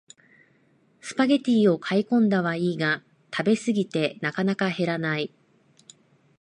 スパゲティを買いこんだはいいが食べ飽きてなかなか減らない